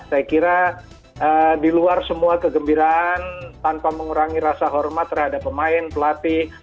saya kira di luar semua kegembiraan tanpa mengurangi rasa hormat terhadap pemain pelatih